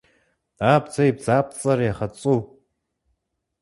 Набдзэ и бдзапцӏэр егъэцӏу.